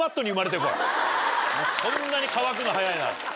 そんなに乾くの早いなら。